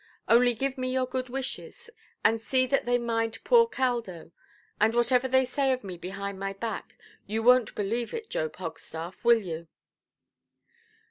Only give me your good wishes; and see that they mind poor Caldo: and, whatever they say of me behind my back, you wonʼt believe it, Job Hogstaff, will you"?